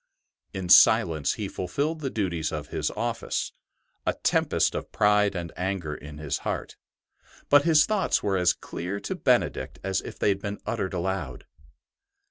In silence he fulfilled the duties of his office, a tempest of pride and anger in his heart; but his thoughts were as clear to Benedict as if they had been uttered aloud.